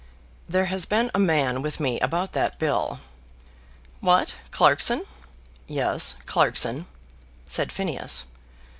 "There has been a man with me about that bill." "What; Clarkson?" "Yes, Clarkson," said Phineas.